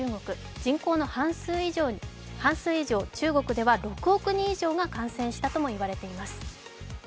人口の半数以上、中国では６億人以上が感染したとも言われています。